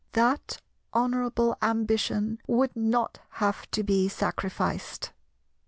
That honourable ambition would not have to be sacrificed.